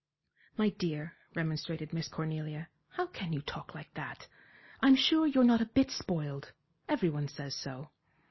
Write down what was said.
"My dear," remonstrated Miss Cornelia, "how can you talk like that? I'm sure you're not a bit spoiled every one says so."